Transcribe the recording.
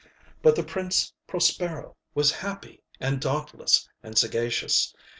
But the Prince Prospero was happy and dauntless and sagacious.